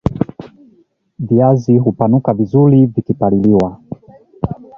viazi hupanuka vizuri vikipaliliwa